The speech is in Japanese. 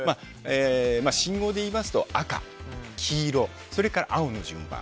信号で言いますと赤、黄色それから青の順番。